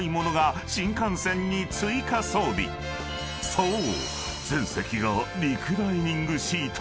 ［そう］